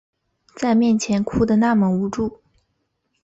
在面前哭的那么无助